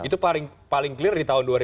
itu paling clear di tahun dua ribu dua